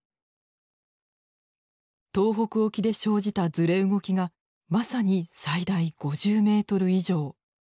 東北沖で生じたずれ動きがまさに最大５０ｍ以上。